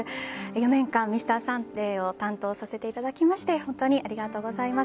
４年間、「Ｍｒ．サンデー」を担当させていただきまして本当にありがとうございます。